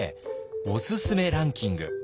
おすすめランキング。